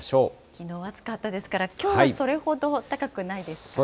きのう暑かったですから、きょうはそれほど高くないですよね。